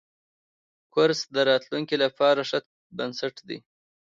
کورس د راتلونکي لپاره ښه بنسټ دی.